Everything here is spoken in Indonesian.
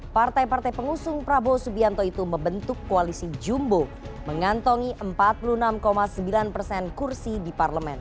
partai partai pengusung prabowo subianto itu membentuk koalisi jumbo mengantongi empat puluh enam sembilan persen kursi di parlemen